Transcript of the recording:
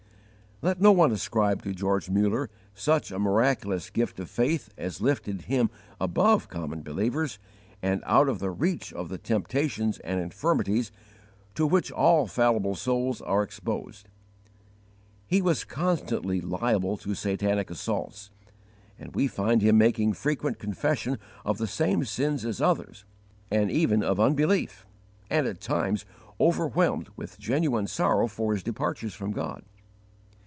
Let no one ascribe to George Muller such a miraculous gift of faith as lifted him above common believers and out of the reach of the temptations and infirmities to which all fallible souls are exposed. He was constantly liable to satanic assaults, and we find him making frequent confession of the same sins as others, and even of unbelief, and at times overwhelmed with genuine sorrow for his departures from God.